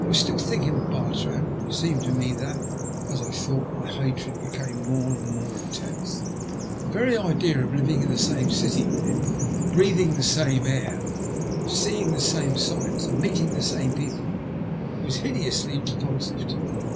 I was still thinking of Bartrand, and it seemed to me that, as I thought, my hatred became more and more intense. The very idea of living in the same city ; with him, of breathing the same air, of seeing the same sights and meeting the same people was hideously repulsive to me.